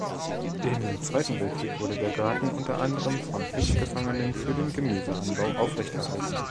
Im Zweiten Weltkrieg wurde der Garten unter anderem von Kriegsgefangenen für den Gemüseanbau aufrechterhalten.